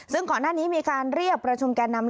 ซึ่งก่อนหน้านี้มีการเรียกประชุมแก่นำ